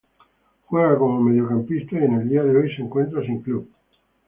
Juega como mediocampista y en el día de hoy se encuentra sin club.